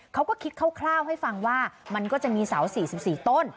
เขาก็คิดคร่าวให้ฟังว่ามันก็จะมีเสา๔๔ต้น